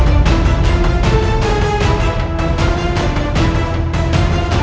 aku mau mengawasi semuanya